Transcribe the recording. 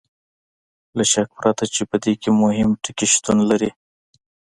له شک پرته چې په دې کې مهم ټکي شتون لري.